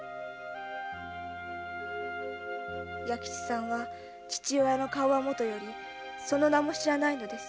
弥吉さんは父親の顔はもとよりその名も知らないのです。